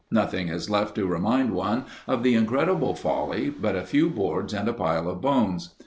Nothing is left to remind one of the incredible folly but a few boards and a pile of bones.